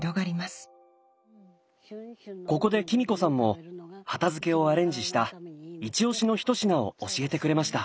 ここでキミ子さんも畑漬をアレンジした一押しのひと品を教えてくれました。